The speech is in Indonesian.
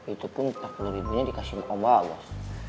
itu pun rp empat puluh nya dikasih sama om bagas